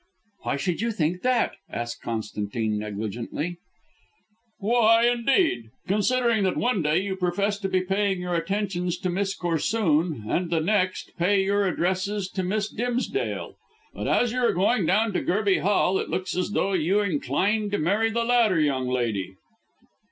"Why should you think that?" asked Constantine negligently. "Why, indeed! Considering that one day you profess to be paying attentions to Miss Corsoon and the next pay your addresses to Miss Dimsdale. But as you are going down to Gerby Hall it looks as though you inclined to marry the latter young lady."